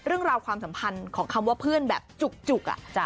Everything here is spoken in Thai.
เรื่องราวความสัมพันธ์ของคำว่าเพื่อนแบบจุกอะ